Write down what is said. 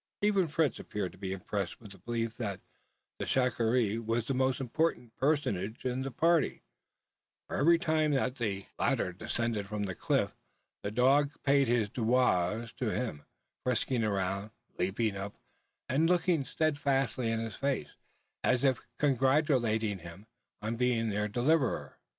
Even Fritz appeared to be impressed with the belief that the shikaree was the most important personage in the party: for every time that the latter descended from the cliff the dog had paid his "devoirs" to him, frisking around, leaping up, and looking steadfastly in his face, as if congratulating him on being their deliverer!